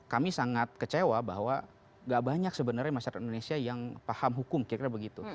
kami sangat kecewa bahwa gak banyak sebenarnya masyarakat indonesia yang paham hukum kira kira begitu